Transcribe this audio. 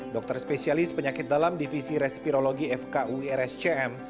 dokter spesialis penyakit dalam divisi respirologi fku irs cm